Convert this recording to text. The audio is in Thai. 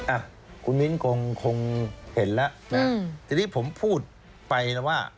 อ่ะคุณวิ้นคงคงเห็นละอืมทีนี้ผมพูดไปแล้วว่า